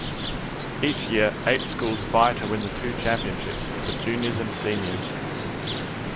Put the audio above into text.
Each year, eight schools vie to win the two championships: the Juniors and Seniors.